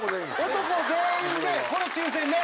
男全員で抽選ね。